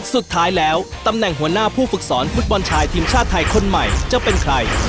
สุดท้ายแล้วตำแหน่งหัวหน้าผู้ฝึกสอนฟุตบอลชายทีมชาติไทยคนใหม่จะเป็นใคร